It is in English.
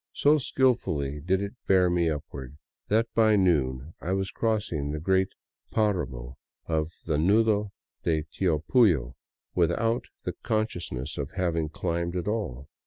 So skillfully did it bear me upward that by noon I was crossing the great paramo of the Nudo de Tiopullo, without the consciousness of having climbed at all.